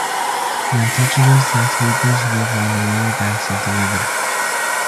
The Untouchables and sweepers live on the lower banks of the river.